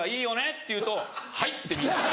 って言うと「はい！」ってみんな。